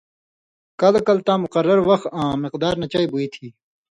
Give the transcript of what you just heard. کلہۡ کلہۡ تاں مقرر وخ آں مقدار نہ چئ ہُوئ تھی